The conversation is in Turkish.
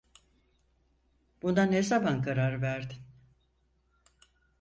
Buna ne zaman karar verdin?